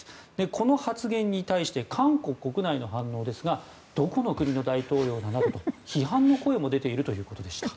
この発言に対して韓国国内の反応ですがどこの国の大統領なの？と批判の声も出ているようです。